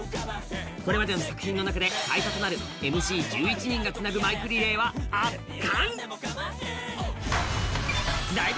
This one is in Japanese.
これまでの作品の中で最多となるＭＣ１１人がつなぐマイクリレーは圧巻！